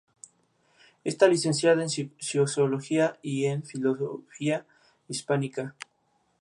Está licenciada en Sociología y en Filología Hispánica.